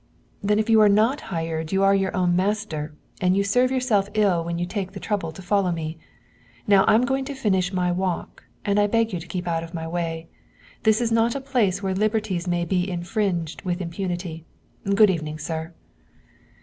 "Then if you are not hired you are your own master, and you serve yourself ill when you take the trouble to follow me. Now I'm going to finish my walk, and I beg you to keep out of my way. This is not a place where liberties may be infringed with impunity. Good evening, sir."